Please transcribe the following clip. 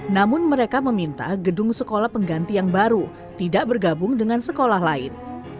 namun mereka meminta gedung sekolah pengganti yang baru tidak bergabung dengan sekolah lain